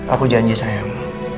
aku janji sayang